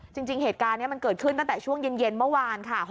จริงเหตุการณ์นี้มันเกิดขึ้นตั้งแต่ช่วงเย็นเมื่อวานค่ะ